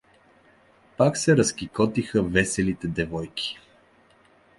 Пак се разкикотиха веселите девойки.